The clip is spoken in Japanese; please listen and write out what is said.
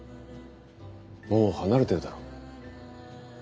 もう離れてるだろ。